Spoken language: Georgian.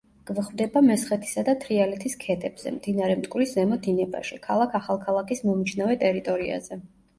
გვხვდება მესხეთისა და თრიალეთის ქედებზე, მდინარე მტკვრის ზემო დინებაში, ქალაქ ახალქალაქის მომიჯნავე ტერიტორიაზე.